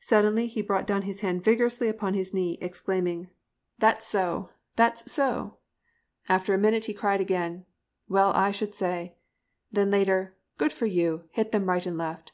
Suddenly he brought down his hand vigorously upon his knee, exclaiming, 'That's so! That's so!' A minute after, he cried again, 'Well, I should say.' Then later, 'Good for you; hit them right and left.'